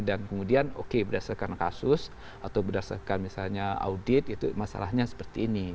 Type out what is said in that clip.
dan kemudian oke berdasarkan kasus atau berdasarkan misalnya audit itu masalahnya seperti ini